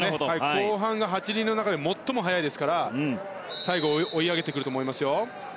後半が８人の中で最も速いですから最後追い上げてくると思います。